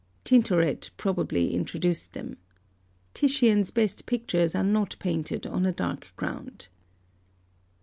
Tintoret probably introduced them. Titian's best pictures are not painted on a dark ground.